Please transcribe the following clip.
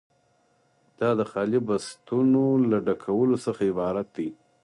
دا د خالي بستونو له ډکولو څخه عبارت دی.